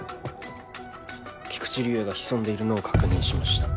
菊池竜哉が潜んでいるのを確認しました。